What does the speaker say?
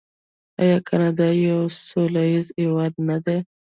آیا کاناډا یو سوله ییز هیواد نه دی؟